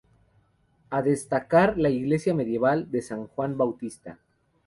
A destacar la iglesia medieval de San Juan Bautista